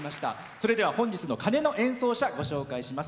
それでは本日の鐘の演奏者ご紹介します。